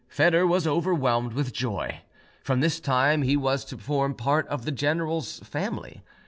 Foedor was overwhelmed with joy: from this time he was to form part of the general's family.